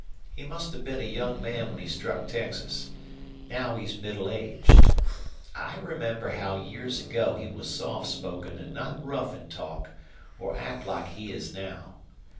He must have been a young man when he struck Texas. Now he's middle aged. I remember how years ago he was soft spoken an' not rough in talk or act like he is now.